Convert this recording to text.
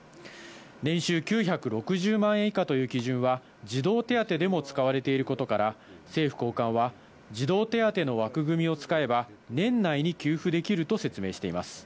年収９６０万円以下という基準は、児童手当でも使われていることから、政府高官は、児童手当の枠組みを使えば、年内に給付できると説明しています。